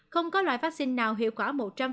không có loại vắc xin nào hiệu quả một trăm linh